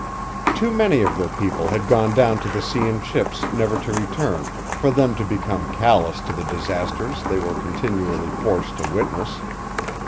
Too many of their people had gone down to the sea in ships never to return for them to become callous to the disasters they were continually forced to witness.